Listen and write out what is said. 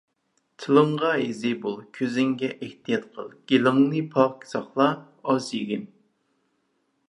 تىلىڭغا ھېزى بول، كۆزۈڭگە ئېھتىيات قىل. گېلىڭنى پاك ساقلا، ئاز يېگىن.